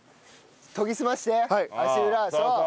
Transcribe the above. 研ぎ澄まして足裏そう。